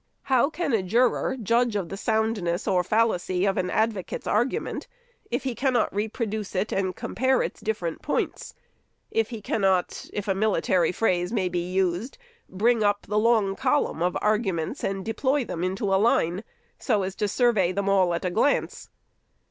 How can a juror judge of the soundness or fallacy of an advocate's argument, if he cannot reproduce it and compare its different points ; if he cannot, if a military phrase may be used, bring up the long column of argu SECOND ANNUAL REPORT. 547 merits and deploy them into line, so as to survey them all at a glance